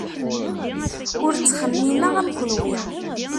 Ur ttxemmimeɣ am kunwi.